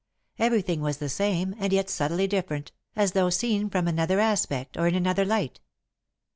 Everything was the same, and yet subtly different, as though seen from another aspect or in another light.